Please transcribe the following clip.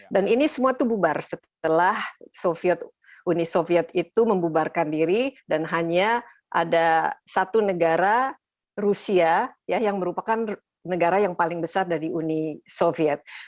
dan ini semua itu bubar setelah uni soviet itu membubarkan diri dan hanya ada satu negara rusia ya yang merupakan negara yang paling besar dari uni soviet